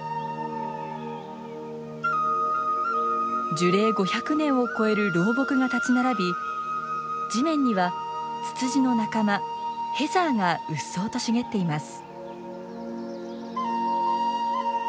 樹齢５００年を超える老木が立ち並び地面にはツツジの仲間ヘザーがうっそうと茂っています。